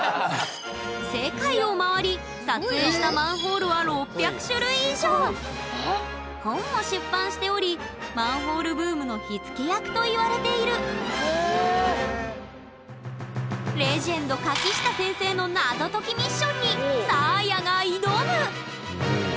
世界を周り撮影したマンホールは本も出版しておりマンホールブームの火付け役といわれているレジェンド垣下先生の謎解きミッションにさあやが挑む！